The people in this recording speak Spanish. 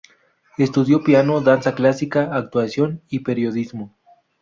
Estudió piano, danza clásica, actuación y periodismo.